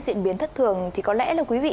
diễn biến thất thường thì có lẽ là quý vị